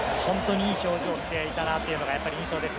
いい表情をしていたなという印象です。